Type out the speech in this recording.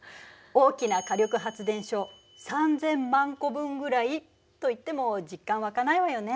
大きな火力発電所３０００万個分ぐらいといっても実感わかないわよね。